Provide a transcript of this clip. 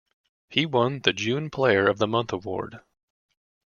He won the June Player of the Month Award.